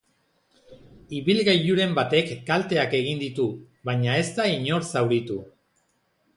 Ibilgailuren batek kalteak egin ditu, baina ez da inor zauritu.